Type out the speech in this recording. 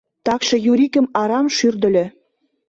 Такше Юрикым арам шӱрдыльӧ.